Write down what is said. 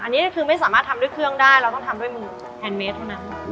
อันนี้คือไม่สามารถทำด้วยเครื่องได้เราต้องทำด้วยมือแฮนดเมสเท่านั้น